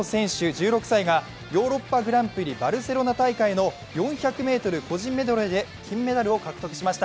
１６歳がヨーロッパ・グランプリバルセロナ大会の４００ｍ個人メドレーで金メダルを獲得しました。